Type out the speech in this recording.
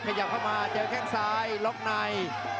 ขยับเข้ามาเจอแข้งซ้ายล็อกใน